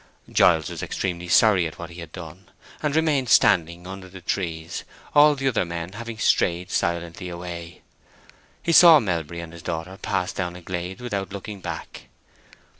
Giles was extremely sorry at what he had done, and remained standing under the trees, all the other men having strayed silently away. He saw Melbury and his daughter pass down a glade without looking back.